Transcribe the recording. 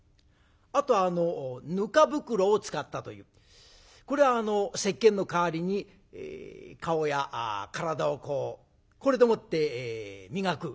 あとぬか袋を使ったというこれはせっけんの代わりに顔や体をこうこれでもって磨く。